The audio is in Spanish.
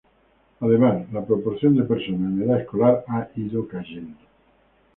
Además, la proporción de personas en edad escolar ha ido cayendo.